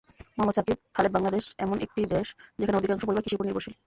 মোহাম্মদ সাকিব খালেদবাংলাদেশ এমন একটি দেশ, যেখানে অধিকাংশ পরিবার কৃষির ওপর নির্ভরশীল।